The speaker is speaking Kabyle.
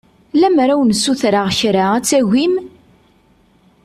Lemmer ad wen-ssutreɣ kra ad tagim?